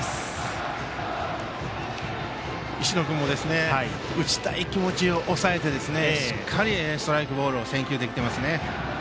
石野君も打ちたい気持ちを抑えてしっかりストライク、ボールを選球できています。